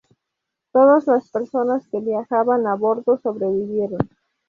Todas las personas que viajaban a bordo sobrevivieron.